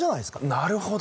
なるほど！